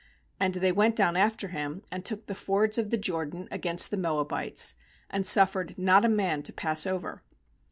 And they went down after him, and took the fords of the Jordan against the Moabites, and suffered not a man to pass over.